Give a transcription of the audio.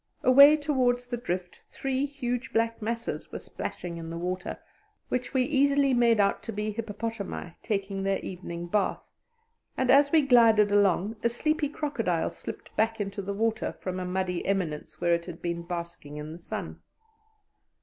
Away towards the drift three huge black masses were splashing in the water, which we easily made out to be hippopotami taking their evening bath, and as we glided along a sleepy crocodile slipped back into the water from a muddy eminence where it had been basking in the sun.